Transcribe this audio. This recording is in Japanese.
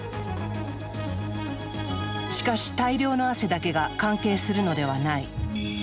しかし大量の汗だけが関係するのではない。